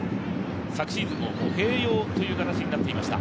昨シーズンも併用という形になっていました。